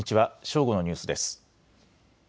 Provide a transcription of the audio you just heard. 正午のニュースです。